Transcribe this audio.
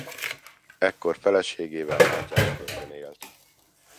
Ekkor feleségével Mátyásföldön élt.